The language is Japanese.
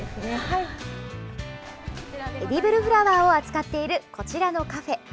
エディブルフラワーを扱っている、こちらのカフェ。